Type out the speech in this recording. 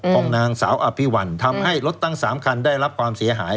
ของนางสาวอภิวัลทำให้รถตั้ง๓คันได้รับความเสียหาย